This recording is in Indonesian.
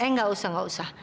eh gak usah gak usah